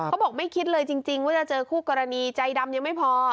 เขาบอกไม่คิดเลยจริงว่าจะเจอคู่กรณีใจดำยังไม่พอ